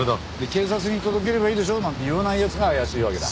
警察に届ければいいでしょなんて言わない奴が怪しいわけだ。